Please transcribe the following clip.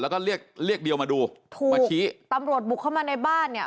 แล้วก็เรียกเดี๋ยวมาดูมาชี้ถูกตำรวจบุกเข้ามาในบ้านเนี่ย